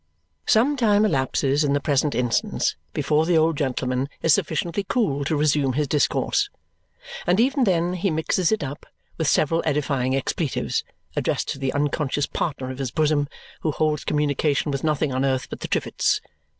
Some time elapses in the present instance before the old gentleman is sufficiently cool to resume his discourse, and even then he mixes it up with several edifying expletives addressed to the unconscious partner of his bosom, who holds communication with nothing on earth but the trivets.